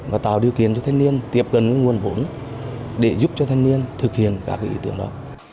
và tạo điều kiện cho thanh niên tiếp cận nguồn vốn để giúp cho thanh niên thực hiện các ý tưởng đó